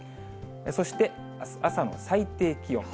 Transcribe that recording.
そして、あす朝の最低気温。